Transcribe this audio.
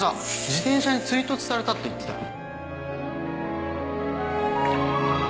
自転車に追突されたって言ってたよ